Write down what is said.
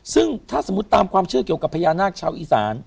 ซึ่งถ้าสมมุติตามความเชื่อเกี่ยวกับพญานาคชาวอีสาน